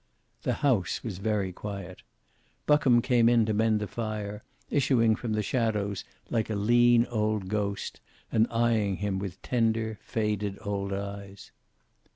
The house was very quiet. Buckham came in to mend the fire, issuing from the shadows like a lean old ghost and eyeing him with tender, faded old eyes.